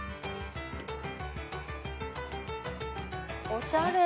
おしゃれ。